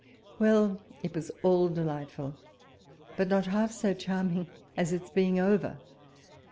Well ! it was all delightful, but not half so charm ing as its being over.